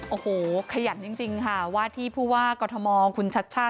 โอ้โหขยันจริงค่ะว่าที่พูดว่ากตะมองคุณชัชช่า